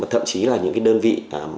thậm chí là những cái đơn vị